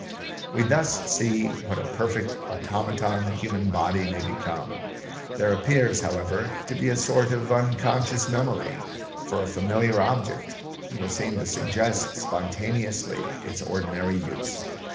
We thus see what a perfect automaton the human body may become. There appears, however, to be a sort of unconscious memory, for a familiar object will seem to suggest spontaneously its ordinary use.